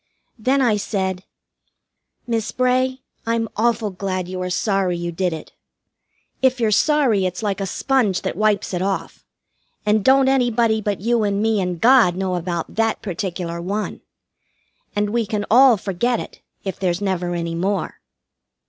Then I said: "Miss Bray, I'm awful glad you are sorry you did it. If you're sorry it's like a sponge that wipes it off, and don't anybody but you and me and God know about that particular one. And we can all forget it, if there's never any more."